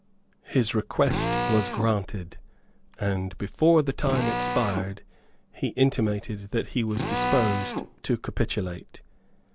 His request was granted; and, before the time expired, he intimated that he was disposed to capitulate.